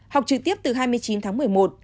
học trực tiếp từ hai mươi chín tháng một mươi một